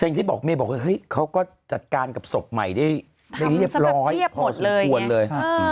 อย่างที่บอกเมย์บอกว่าเฮ้ยเขาก็จัดการกับศพใหม่ได้เรียบร้อยพอสมควรเลย